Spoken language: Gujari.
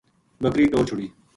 بکر ی ٹور چھُڑی